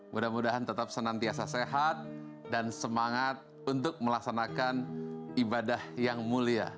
mudah mudahan tetap senantiasa sehat dan semangat untuk melaksanakan ibadah yang mulia